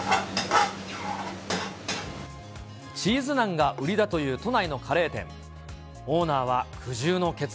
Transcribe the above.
チーズナンが売りだという都内のカレー店。